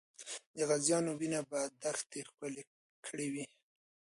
د غازیانو وینه به دښته ښکلې کړې وي.